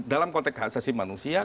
dalam konteks khasasi manusia